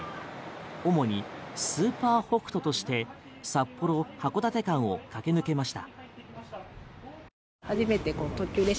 主にスーパー北斗として札幌函館間を駆け抜けました。